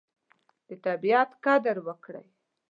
د طبیعت قدر وکړه.